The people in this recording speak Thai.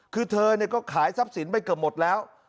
คือเธอก็ขายทรัพย์สินไปเกือบหมดแล้ว